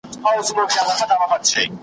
شاعر: خلیل جبران .